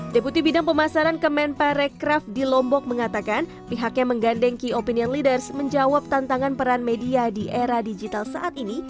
deputi bidang pemasaran kemenparekraf di lombok mengatakan pihaknya menggandeng key opinion leaders menjawab tantangan peran media di era digital saat ini